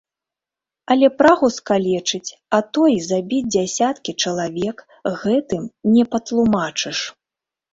Але прагу скалечыць, а то і забіць дзясяткі чалавек гэтым не патлумачыш.